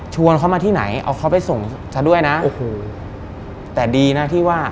เขามาที่ไหนเอาเขาไปส่งซะด้วยนะโอ้โหแต่ดีนะที่ว่า